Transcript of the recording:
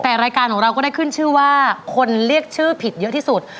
แต่รายการของเราก็ได้ขึ้นชื่อว่าคนเรียกชื่อผิดเยอะที่สุด